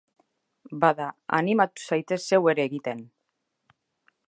Bada, animatu zaitez zeu ere egiten!